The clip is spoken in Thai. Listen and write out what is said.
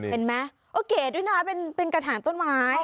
เห็นไหมโอเคด้วยนะเป็นกระถางต้นไม้